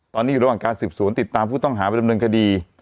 ตอนนี้อยู่ระหว่างการสืบสวนติดตามผู้ต้องหาไปดำเนินคดี